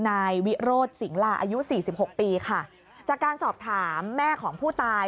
นายวิโรธสิงลาอายุสี่สิบหกปีค่ะจากการสอบถามแม่ของผู้ตาย